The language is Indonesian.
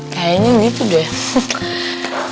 kayaknya gitu deh